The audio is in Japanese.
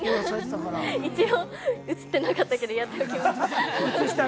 ◆一応、映ってなかったけど、やってました。